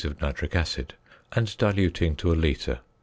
of nitric acid, and diluting to a litre.